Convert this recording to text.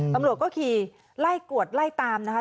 ตำรวจก็ขี่ไล่กวดไล่ตามนะคะ